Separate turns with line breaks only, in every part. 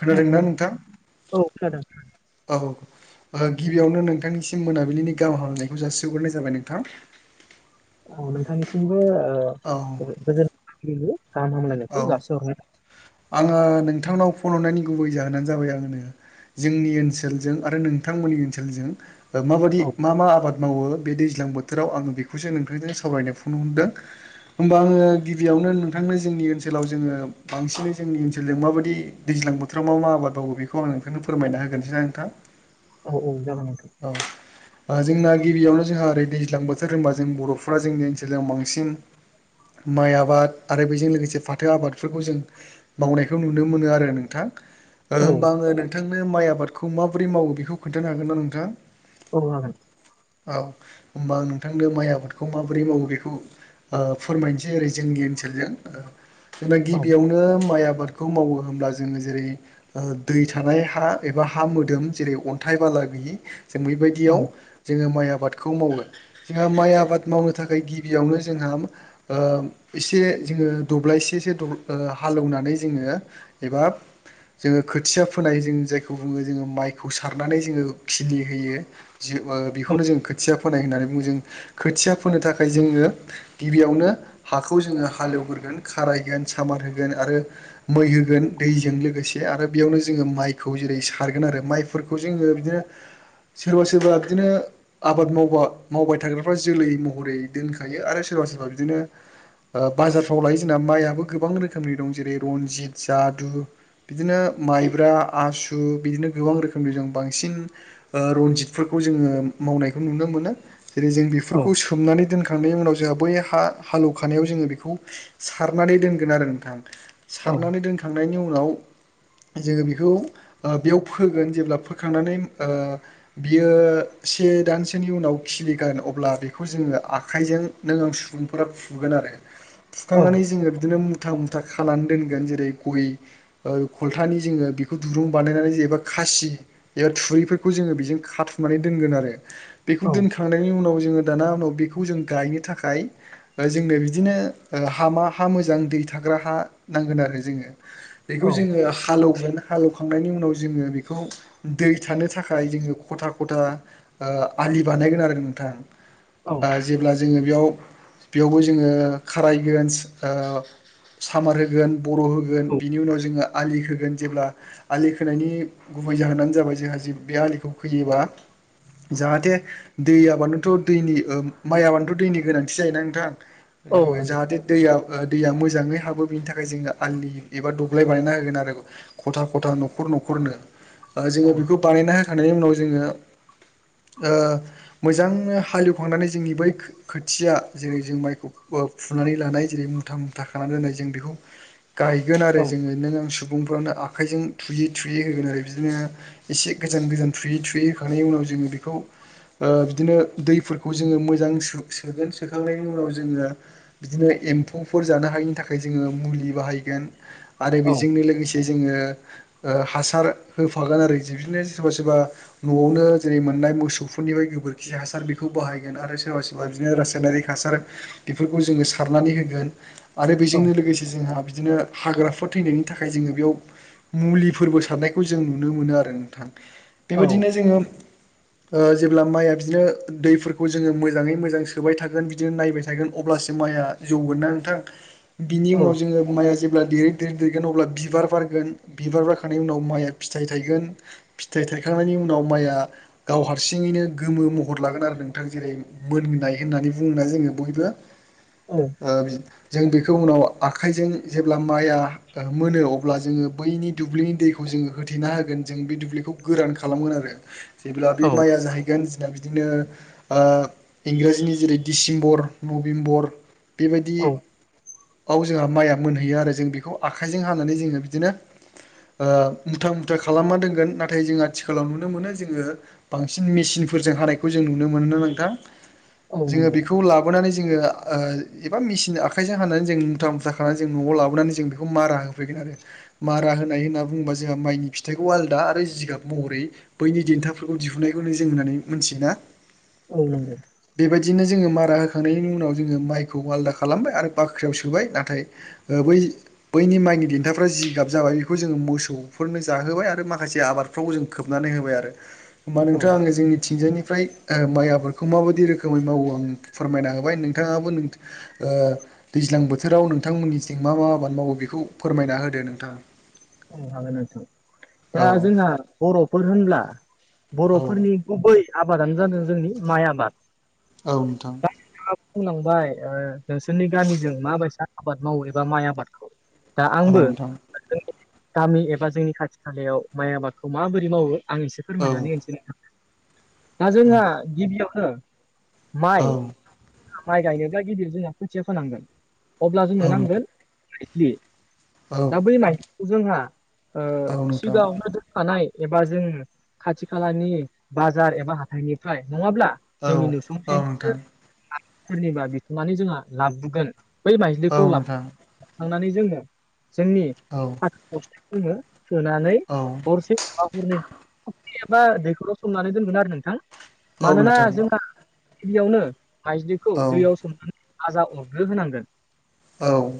खोनादों ना
खोनादोंना
नोंथां
औ सादों
औ औ गिबियावनो नोंथांनिसिम मोनाबिलिनि गाहाम हामनायखौ जासिग्रोननाय जाबाय नोंथां
औ नोंथांनिसिमबो
औ
ओ गोजोन गाहाम
औ
हामलायनायखौ जासिहरनाय
आङो नोंथांनाव फन हरनायनि गुबै जाहोनानो जाबाय आंनो जोंनि ओनसोलजों आरो नोंथांमोननि ओनसोलजों माबायदि
औ
मा मा आबाद मावो बे दैज्लां बोथोराव आङो बेखौसो नोंथांजों सावरायनो फन हरदों होमबा आङो गिबियावनो नोंथांनो जोंनि ओनसोलाव जोङो बांसिन जोंनि ओनसोलजों माबायदि दैज्लां बोथोराव मा मा आबाद मावो बेखौ खौ आं नोंथांनो फोरमायना होगोनसैना नोंथां
औ औ जागगोन नोंथां
औ। ओ जोंना गिबियावनो जोंहा ओरै दैज्लां बोथोर होनबा जों बर'फोरा जोंनि ओनसोलाव बांसिन माइ आबाद आरो बेजों लोगोसे फाथो फाथो आबादफोरखौ जों मावनायखौ नुनो मोनो आरो नोंथां
औ
होमबा आङो नोंथांनो माइ आबादखौ माबोरै मावो बेखौ खोन्थानो हागोन ना नोंथाङा
[unintelligible]
औ होनोमबा नोंथांनो माइ आबादखौ माबोरै मावो बेखौ ओ फोरमायनोसै ओरै जोंनि ओनसोलजों
औ
गिबियावनो माइ आबादखौ मावो होनोमब्ला जोङो जेरै ओ दै थानाय हा एबा हा मोदोम जेरै अन्थाइ बालागि जों
औ
बेबायदियाव जोङो माइ आबादखौ मावो। जोंहा माइ आबाद मावनो थाखाय गिबियावनो जोंहा ओ एसे जोङो दब्लायसे एसे ओ हालेवनानै जोङो एबा जोङो खोथिया फोनाय जों जायखौ बुङो जोङो माइखौ सारनानै जोङो खिलि होयो। जेबेखौनो जों खोथिया फोनाय होननानै बुङो जों खोथिया फोनो थाखाय जोङो गिबियावनो हाखौ जोङो हालेवग्रोगोन खारायगोन सामार होगोन आरो मै होगोन दैजों लोगोसे आरो बेयावनो जोङो माइखौ जेरै सारगोन आरो माइ फोरखौ जोङो बिदिनो सोरबा-सोरबा बिदिनो आबाद मावबा मावबाय थाग्राफ्रा जोलै महरै दोनखायो आरो सोरबा सोरबा बिदिनो ओ बाजारफ्राव लायो जोंना माइआो गोबां रोखोमनि दं जेरै रनजित, जादु बिदिनो माइब्रा, आसु बिदिनो गोबां रोखोमनि जों बांसिन ओ रनजितफोरखौ जोङो मावनायखौ नुनो मोनो जेरै जों बे
औ
फोरखौ सोमनानै दोनखांनायनि उनाव जोंहा बै हा हालौवखानायाव जोङो बेखौ सारनानै दोनगोन आरो नोंथां सारनानै दोनखांनायनि उनाव जोङो बेखौ ओ बेयाव फोगोन जेब्ला फोखांनानै ओ बियो से दानसोनि उनाव खिलिगोन अब्ला बेखौ जोङो आखाइजों नों आं सुबुंफोरा फुगोन आरो
औ
सुखांनानै जोङो बिदिनो मुथा मुथा खालामनानै दोनगोन जेरै गय ओ खलथानि जोङो बेखौ दुरुं बानायनानै जेनेबा खासि एबा थुरैफोरखौ जोङो बेजों खाथुमनानै दोनगोन आरो बेखौ
औ
दोनखांनायनि उनाव जोङो दाना उनाव बेखौ जों गायनो थाखाय ओ जोंनो बिदिनो ओ हामा हा मोजां दै थाग्रा हा नांगोन आरो जोङो बेखौ जोङो हालेवगोना हालेवखांनायनि उनाव जोङो बेखौ दै थानो थाखाय जोङो खथा खथा ओ आलि बानायगोन आरो नोंथां
औ
ओ जेब्ला जोङो बेयाव बेयावबो जोङो खाराइगन्स ओ सामार होगोन बर' होगोन बिनि उनाव जोङो आलि होगोन जेब्ला आलि खोनायनि गुबै जाहोनानो जाबाय जोंहा जे बे आलिखौ खोयोबा जाहाथे दैयाबानोथ' दैनि ओ माइयबानोथ' दैनि गोनांथि जायोना नोंथां
औ औ नंगौ
जाहाथे दैया ओ दैया मोजाङै हाबो बेनि थाखाय जोङो आलि एबा दबग्लाय बानायना होगोन आरो खथा खथा न'खर न'खरनो ओ जोङो बेखौ बानायना होखांनायनि उनाव जोङो ओ मोजाङै हालेवखांनानै जोंनि बै खो-खोथिया जेरै जों माइखौ फुनानै लानाय जेरै मुथा मुथा खानानै दोननाय जों बेखौ गायगोन
औ
आरो जोङो नों आं सुबुंफ्रानो आखाइजों थुयै थुयै होगोन आरो बिदिनो एसे गोजान गोजान थुयै थुयै होखांनायनि उनाव जोङो बेखौ ओ बिदिनो दैफोरखौ जोङो मोजां सो-सोगोन सोखांनायनि उनाव जोङो बिदिनो एम्फौफोर जानो हायिनि थाखाय जोङो मुलि बाहायगोन आरो
औ
बेजोंनो लोगोसे जोङो हासार होफागोन आरो बिदिनो सोरबा सोरबा न'आवनो जेरै मोननाय मोसौफोरनिफ्राय गोबोरखि हासार बेखौ बाहायगोन आरो सोरबा सोर बा बिदिनो रासायनारि हासार बेफोरखौ जोङो सारनानै होगोन आरो बेजोंनो लोगोसे जोंहा बिदिनो हाग्राफोर थैनायनि थाखाय जोङो बेयाव मुलिफोरबो सारनायखौ जों नुनो मोनो आरो नोंथां बेबायदिनो
औ
जोङो ओ जेब्ला माइया बिदिनो दैफोरखौ जोङो मोजाङै मोजां सोबाय थागोन बिदिनो नायबाय थगोन अब्लासो माइआ जौगोन ना नोंथां बिनि उनाव जोङो माइआ जेब्ला देरो गिदिर देरगोन अब्ला बिबार बारगोन बिबार बारखांनायनि उनाव माइया फिथाइ थायगोन। फिथाइ थाइखांनायनि उनाव माइआ गाव हारसिङैनो गोमो महर लागोन आरो नोंथां जेरै मोननाय होननानै बुङो ना जोङो। बयबो ओ जों बेखौ उनाव आखाइजों जेब्ला माइआ मोनो अब्ला जोङो बैनि दुब्लिनि दैखौ जोङो होथेना होगोन जों बे दुब्लिखौ गोरान खालामगोन आरो। जेब्ला बे माइया जाहैगोन जोंना बिदिनो ओ इंराजिनि जेरै डिसेम्बर, नभेम्बर बेबायदि
औ
आव जोंहा माइआ मोनहैयो आरो जों बेखौ आखाइजों हानानै जोङो बिदिनो ओ मुथा मुथा खालामना दोनगोन नाथाय जों आथिखालाव नुनो मोनो जोङो बांसिन मेसिनफोरजों हानायखौ जों नुनो मोनो नोंथां।
औ
जोङो
नंगौ
बेखौ ला बोनानै जोङो ओ एबा मेसिन आखाइजों हानानै जों मुथा मुथ्ला खानानै जों न'आव लाबोनानै जों बेखौ मारा हो फैगोन आरो मारा होनाय होनना बुङोबा जोंहा माइनि फिथाइखौ आलादा आरो जिगाब महरै बैनि देन्थाफोरखौ दिहुननायखौनो जों होननानै मोनथियो ना।
औ नंगौ
बे‌ बायदिनो जोङो मारा होखांनायनि उनाव जोङो माइखौ आलादा खालामबाय आरो बाख्रियाव सोबाय नाथाय ओ बै बैनि माइनि देन्थाफ्रा जिगाब जाबाय बेखौ जोङो मोसौ फोरनो जाहोबाय आरो माखासे आबादफ्राव जों खोबनानै होबाय आरो। होमबा
औ
नोंथाङां आङो जोंनिथिंजायनिफ्राय ओ माइ आबादखौ माबायदि रोखोमै मावो आं फोरमायना होबाय नोंथाङाबो नों ओ दैज्लां बोथोराव नोंथांमोननिथिं मा मा आबाद मावगो बेखौ फोरमायना होदो नोंथाङा।
औ हागोन नोंथां।
औ
दा जोंहा बर'फोर होनब्ला
औ
बर'फोरनि गुबै आबादानो जादों जोंनि माइ आबाद।
औ नोंथां।
दा नोंथाङा बुंलांबाय ओ नोंसोरनि गामिजों माबायसा आबाद मावो एबा माइ आबादखौ। दा
औ
आंबो
नोंथां
जोंनि गामि एबा जोंनि खाथि खालायाव माइ आबादखौ माबोरै मावो आं एसे
औ
फोरमायनानै होनोसै नोंथां। दा
औ
जोंहा गिबियावनो माइ‌
औ
माइ गायनोब्ला गिबियाव जोंना खोथिया फोनांगोन अब्ला जोंनो
औ नोंथां
नांगोन माइज्लि।
औ
दा बै माइखौ जोंहा ओ
औ नोंथां
सिगाङावनो दो थानाय एबा जोङो खाथि खालानि बाजार एबा हाथाइनिफ्राय नङाब्ला
औ
जोंनि नुसुंसेफोर
नोंथां
सोरनिबा बिथनानै जोंहा लाबुगोन बै
औ
माइज्लिखौ ला
नोंथां
थांनानै जोङो जोंनि
औ
बस्तायाव दोनो सोनानै
औ
हरसे बा हरनै। फख्रि एबा दैखराव सोमनानै दोनगोन आरो नोंथां
औ
मानोना
नोंथां
जोंहा गिबियावनो माइज्लिखौ
औ
दैयाव सोमनानै आजा अरग्रो होनांगोन।
औ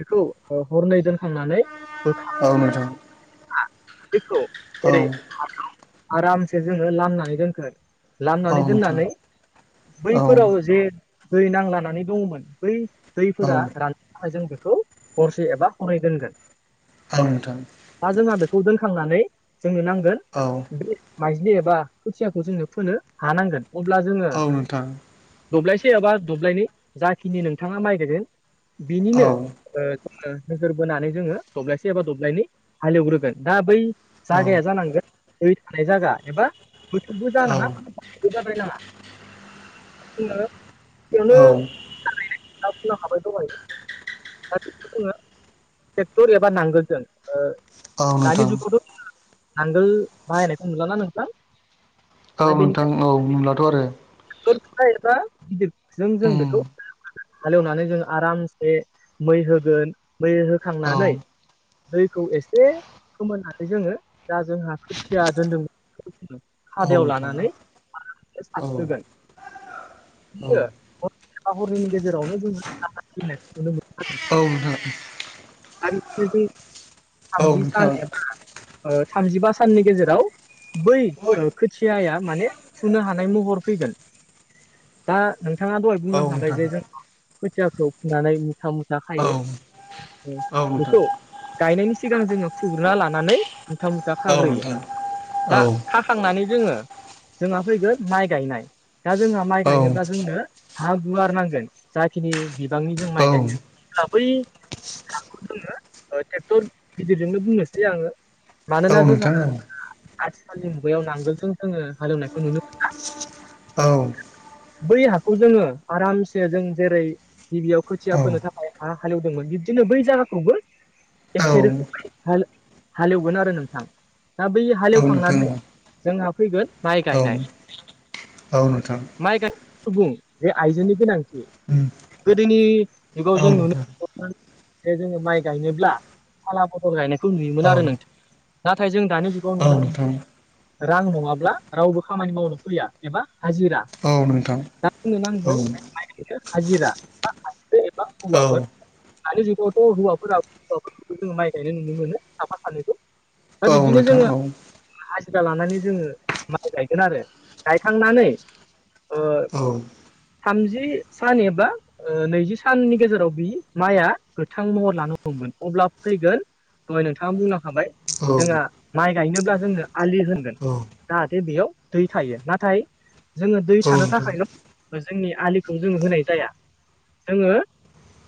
बेखौ ओ हरनै दोनखांनानै बोखां
औ नोंथां
हा बेखौ
औ
ओरै हाखौ आरामसे जोङो लामनानै दोनगोन।
औ
लामनानै
नोंथां
दोननानै
औ
बैफोराव जे दै नांलानानै दङमोन बै
औ
दैफोरा राननो थाखाय जों बेखौ हरसे एबा हरनै दोनगोन।
ओं नोंथां।
दा जोंहा बेखौ दोनखांनानै जोंनो नांगोन
औ
बे माइज्लि एबा खोथियाखौ जोङो फोनो हानांगोन अब्ला जोङो
औ नोंथां
दब्लायसे एबा दब्लायनै जाखिनि नोंथाङा माइ गायदों
औ
बिनिनो ओ मा होनो नोजोर बोनानै जोङो दब्लायसे एबा दब्लायननै हालेवग्रोगोन दा बै
औ
जागाया जानांगोन दै थानाय जायगा एबा गोथौबो
औ
जानाङा
औ नोंथां औ नोंथां औ
[inaudible] [unintelligible] ट्रेक्टर एबा नांगोलजों ओ दानि जुगावथ नांगोल बाहायनायखौ नुलाना नोंथां।
औ
दा
नोंथां
बेनिखायनो
औ नुलाथ' आरो।
[unintelligible] जों
उम
बेखौ हालेवनानै जों आरामसे मै होगोन मै
औ
होखांनानै। दैखौ एसे खोमोननानै जोङो दा जोंहा खोथिया दोन्दोंमोन
औ
खादायाव
नोंथां
लानानै आरामनो
औ
सारस्रोगोन
औ
ओ हनै हरनैनि गेजेरावनो जोङो आबाद खिलिनायखौ नुनो मोनो आरो
औ नोंथां
आरो बिनो जों
औ नोंथां औ
थामजि सान
नोंथां
एबा थामजिबा ओ साननि गेजेराव बै
औ
ओ खोथियाया माने फुनो हानाय महर फैगोन दा नोंथाङा दहाय
औ
बुंलांखाबाय
नोंथां
जे जोंआ खोथिया फुनानै मुथा-मुथा खायो। बेखौ गायनायनि सिगां जोङो फुग्रोना लानानै मुथा मु दा
औ
खाग्रोयो
नोंथां औ
दा खा थांनानै जोङो जोंहा फैगोन माइ गायनाय दा जोंहा
औ
माइ गायनोब्ला जोंनो। हा गुवार नांगोन जाखिनि बिबांनि जों माइ गायगोन अब्ला बै हाखौ जोङो ओ ट्रेक्टर गिदिरजोंनो बुंनोसै आङो
औ
मानोना जोंहा
नोंथां औ
आथिखालनि मुगायाव नांगोलजों जोङो हालेवनायखौ नुनो मोन
औ
बै हाखौ जोङो आरामसे जों जेरै गिबियाव खोथिया फोनो थाखाय हा हालेवदोंमोन बिबदिनो बै जायगाखौबो
औ
एखे रोखो हाल हालेवगोन आरो नोंथां दा बै
औ
हालेवखांनानै जोंहा फैगोन माइ गायनाय
औ-औ नोंथां।
माइ गानो [unintelligible] आइजोनि गोनांथि
उम
गोदोनि जुगाव
औ
जों नुनो
नोंथां
[unintelligible] बे जोङो माइ गायनोब्ला फाला बदल गायनायखौ
औ
नुयोमोन आरो नोंथां नाथाय जों दानि जुगाव
औ
नुनो मोन
नोंथां
रां नङाब्ला रावबो खामानि मावनो फैया एबा हाजिरा।
औ नोंथां।
दा जोंनो
औ
नांगोन माइ गायनो हाजिरा एबा
औ
हौवाफोर दानि जुगावथ हौवाफोरा हौवाफोरखौबो जोङो माइ गायनाय नुनो मोनो साफा सानैखौ दा
औ
बिब्दिनो
नोंथां
जोङो
औ
हाजिरा लानानै जोङो माइ गायगोन आरो गायखांनानै ओ
औ
थामजि सान एबा ओ नैजि साननि गेजेराव बि माइआ गोथां महर लानो हमगोन अब्ला फैगोन। दहाय नोंथाङा बुंलांखाबाय जोंहा माइ गायनोब्ला जोंनो आलि होनगोन
अ।
जाहाथे बेयाव दै थायो नाथाय जोङो दै
औ नोंथां औ
थानो थाखायल जोंनि आलिखौ जोङो होनाय जाया जोङो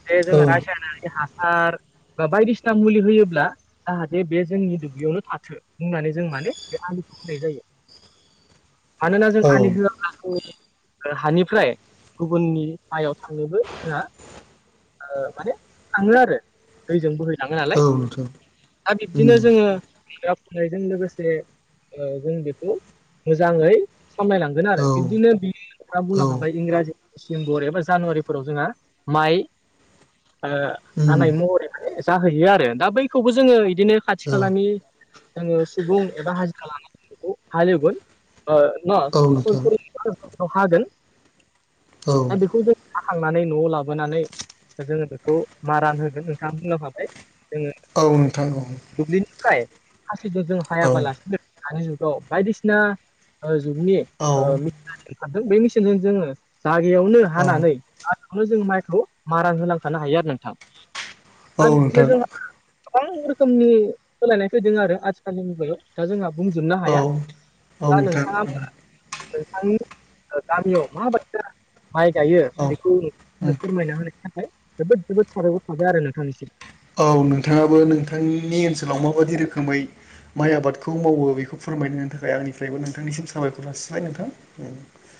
जे
औ
जोङो
औ
रसायनारि हासार। बा बायदिसिना मुलि होयोब्ला जाहाथे बे जोंनि दुब्लियावनो थाथो बुंनानै जों माने बे आलिखौ होनाय जायो मानोना जों
नोंथां
आलि होआ ओ हानिफ्राय गुबुननि माइयाव थांनोबो जोङो ओ माने थाङो आरो दैजों बोहै लाङो नालाय।
उम औ नोंथां
दा बिब्दिनो जोङो [unintelligible] फुनायजों लोगोसे। ओ जों बेखौ मोजाङै सामलायलांगोन आरो
औ
बिब्दिनो बियो आं बुंनो हाबाय
नोंथां औ
इंराजि दिसेम्बरे एबा जानुवारिफोराव जोंहा माइ। ओ।
औ
हानाय महरै जाहैयो आरो दा बैखौबो जोङो इदिनो खाथि
नोंथां
खालानि। जोङो सुबुं एबा हाजिरा लानानै बेखौ हालेवगोन ओ न
औ औ
[unintelligible] हागोन दा
औ
बेखौ जों खाखांनानै न'आव लाबोनानै। जोङो बेखौ मारान होगोन नोंथाङा बुंलां हाबाय जोङो
औ नोंथां औ
दुब्लिनि थाखाय खासिजों जों
औ
हायाबालासिनो दानि जुगाव बायदिसिना ओ जुगनि ओ मेचन ओंखारदों बे मेसिनजों जोङो जागायावनो हानानै आ बेखौनो जों माइखौ मारान होलांखानो हायो आरो नोंथां
औ
दा बिदिनो जों [unintelligible] गोबां रोखोमनि सोलायनाय फैदों आरो आथिखालनि मुगायाव। दा जोंहा
नोंथां औ
बुंजोबनो हाया दा नोंथाङा
नोंथां
नोंथांनि ओ गामियाव मा बायसा माइ गायो
औ औ
बेखौ [unintelligible]
उम
फोरमायना होनायनि थाखाय जोबोद-जोबोद साबायखर थाबाय आरो नोंथांनिसिम।
औ नोंथाङाबो नोंथांनि ओनसोलाव माबायदि रोखोमै माइ आबादखौ मावो बेखौ फोरमायनो थाखाय आंनिफ्रायबो नोंथांनिसिम साबायखर जासिबाय नोंथां [unintelligible]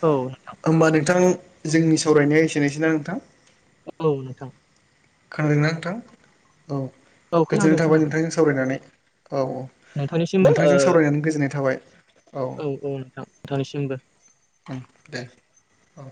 औ नोंथां
होमबा नोंथां जोंनि सावरायनाया एसेनोसै ना नोंथां
औ नोथां।
खोनादोंना नोंथां औ
औ
गोजोननाय
खोनादों
थाबाय
खोनादों
नोंथांजों सावरायनानै। औ औ
नोंथांनिसिमबो
नोंथांजों सावरायनानै गोजोननाय थाबाय औ ओं
औ-औ नोंथां थांनिसिमबो।
दे औ